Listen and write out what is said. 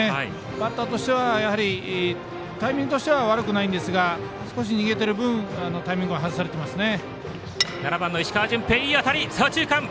バッターとしてはタイミングとしては悪くないんですが少し逃げている分タイミングを外されてますね。